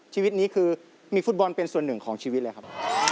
ชีวิตนี้คือมีฟุตบอลเป็นส่วนหนึ่งของชีวิตเลยครับ